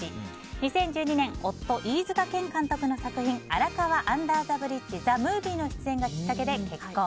２０１２年夫・飯塚健監督の作品「荒川アンダーザブリッジＴＨＥＭＯＶＩＥ」の出演がきっかけで結婚。